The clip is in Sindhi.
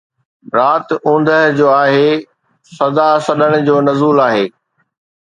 رات اوندهه ڇو آهي، صدا سڏڻ جو نزول آهي